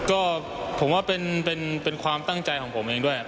ก็ผมว่าเป็นความตั้งใจของผมเองด้วย